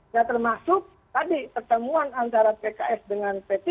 ya termasuk tadi pertemuan antara pks dengan p tiga